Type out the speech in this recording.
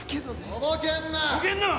とぼけんな！